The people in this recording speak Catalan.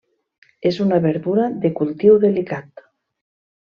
És una verdura de cultiu delicat.